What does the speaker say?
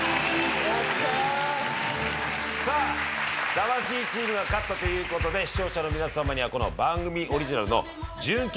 魂チームが勝ったということで視聴者の皆さまにはこの番組オリジナルの純金